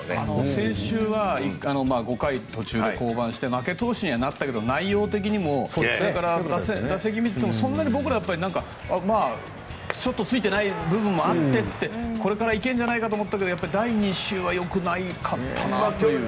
先週は５回途中で降板して負け投手にはなったけど内容的にも打席を見ていても僕らからするとちょっとついてない部分もあってこれからいけるんじゃないかと思ったけど、第２週は良くなかったなという。